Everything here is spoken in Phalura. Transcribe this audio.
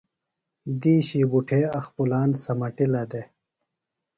دِیشیۡ بُٹھے اخپُلان سمَٹِجِلہ دےۡ۔